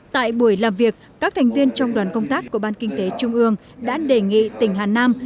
tại buổi làm việc các thành viên trong đoàn công tác của ban kinh tế trung ương đã đề nghị tỉnh hà nam